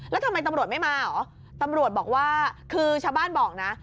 แล้วทำไมตำรวจไม่มาเหรอตำรวจบอกว่าคือชาวบ้านบอกนะ